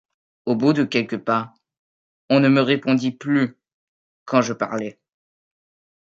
Au bout de quelques pas, on ne me répondit plus quand je parlais.